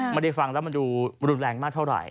ไม่ได้ฟังแล้วมันดูรุนแรงมากเท่าไหร